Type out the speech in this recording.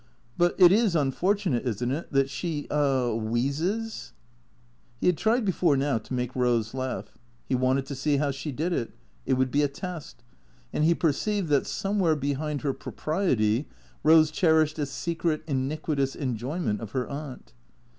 But it is unfortunate, is n't it, that she — er — wheezes ?" He had tried before now to make Eose laugh. He wanted to see how she did it. It would be a test. And he perceived that, somewhere behind her propriety, Eose cherished a secret, iniq uitous enjoyment of her aunt.